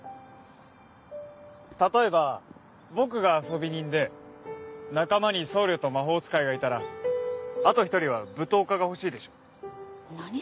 例えば僕が遊び人で仲間に僧侶と魔法使いがいたらあと１人は武闘家が欲しいでしょ何？